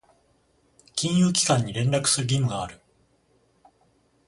金融機関に連絡する義務がある。